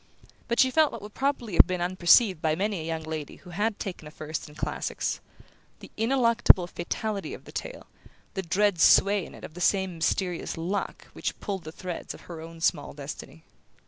But she felt what would probably have been unperceived by many a young lady who had taken a first in classics: the ineluctable fatality of the tale, the dread sway in it of the same mysterious "luck" which pulled the threads of her own small destiny.